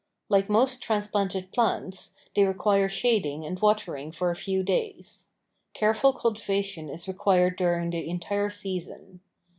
Like most transplanted plants they require shading and watering for a few days. Careful cultivation is required during the entire season.